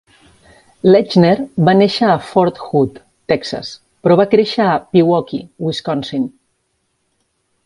Lechner va néixer a Fort Hood, Texas, però va créixer a Pewaukee, Wisconsin.